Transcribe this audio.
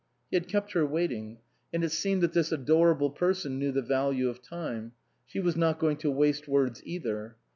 He had kept her wait ing ; and it seemed that this adorable person knew the value of time. She was not going to waste words either.